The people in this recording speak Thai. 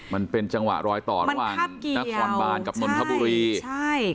มันเป็นจังหวะรอยต่อระหว่างนครบานกับนนทบุรีใช่